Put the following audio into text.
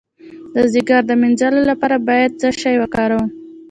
د ځیګر د مینځلو لپاره باید څه شی وکاروم؟